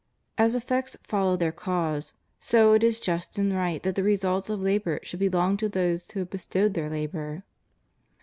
As effects follow their cause, so is it just and right that the results of labor should belong to those who have bestowed their labor.